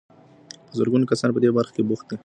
په زرګونه کسان په دې برخه کې بوخت دي.